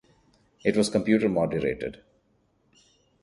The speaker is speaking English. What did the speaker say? It was computer moderated.